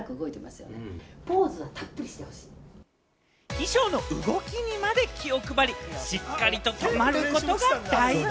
衣装の動きにまで気を配り、しっかりと止まることが大事。